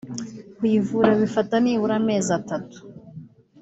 kuyivura bifata nibura amezi atatu